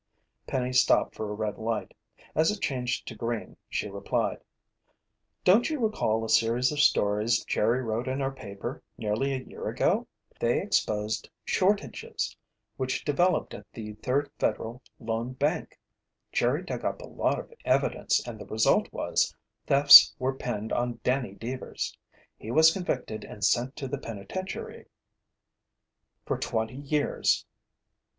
Penny stopped for a red light. As it changed to green she replied: "Don't you recall a series of stories Jerry wrote in our paper nearly a year ago? They exposed shortages which developed at the Third Federal Loan Bank. Jerry dug up a lot of evidence, and the result was, thefts were pinned on Danny Deevers. He was convicted and sent to the penitentiary for twenty years."